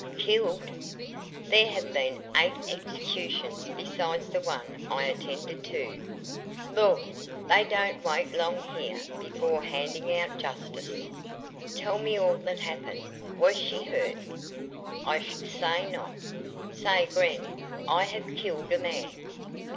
"Killed! There have been eight executions besides the one I attended to. Lord, they don't wait long here before handing out justice." "Tell me all that happened. Was she hurt?" "I should say not! Say, Gren, I have killed a man.